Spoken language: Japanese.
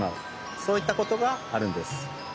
そういったことがあるんです。